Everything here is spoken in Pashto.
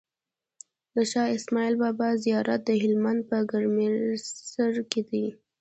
د شاهاسماعيل بابا زيارت دهلمند په ګرمسير کی دی